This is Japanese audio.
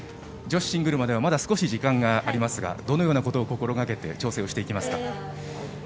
女子シングルまではまだ少し時間がありますがどのようなことを心掛けて挑戦していきますか。